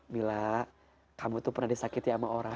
bila kamu tuh pernah disakiti sama orang